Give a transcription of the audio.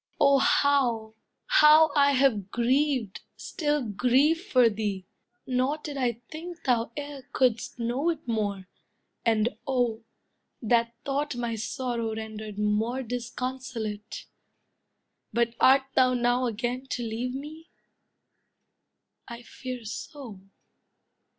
Oh how, how I Have grieved, still grieve for thee! Nor did I think Thou e'er couldst know it more; and oh, that thought My sorrow rendered more disconsolate! But art thou now again to leave me? I fear so.